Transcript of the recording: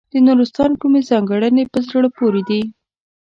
د نورستان کومې ځانګړنې په زړه پورې دي.